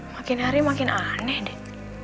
makin hari makin aneh dek